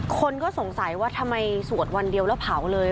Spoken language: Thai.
คนก็สงสัยว่าทำไมสวดวันเดียวแล้วเผาเลย